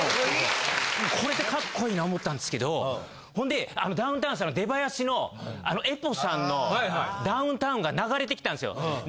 これでカッコいいな思ったんですけどほんであのダウンタウンさんの出囃子の。が流れてきたんですよ。